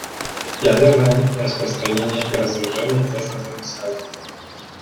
Ядерное нераспространение и разоружение тесно взаимосвязаны.